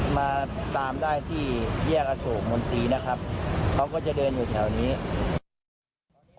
มาตามได้ที่แยกอโศกมนตรีนะครับเขาก็จะเดินอยู่แถวนี้